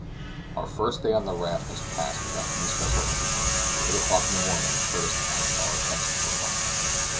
Our first day on the raft has passed without any special incident. At eight o'clock this morning Curtis asked our attention for a moment.